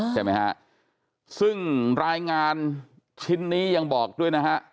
ใช่ไหมฮะซึ่งรายงานชิ้นนี้ยังบอกด้วยนะฮะ